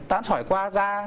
tán sỏi qua da